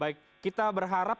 baik kita berharap